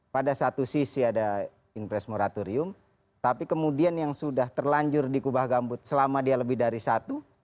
pada satu sisi ada impress moratorium tapi kemudian yang sudah terlanjur di kubah gambut selama dia lebih dari satu